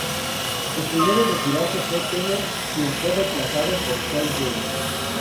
El primero en retirarse fue Tanner, quien fue reemplazado por Troy James.